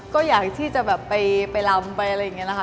ก็อยากที่จะแบบไปลำไปอะไรอย่างนี้นะคะ